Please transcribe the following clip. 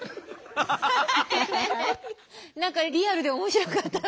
何かリアルで面白かった。